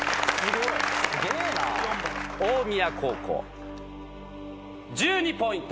大宮高校１２ポイント！